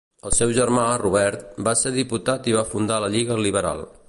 El seu germà, Robert, va ser diputat i va fundar la Lliga Liberal.